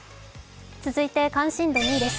続いて関心度２位です。